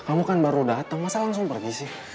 kamu kan baru datang masa langsung pergi sih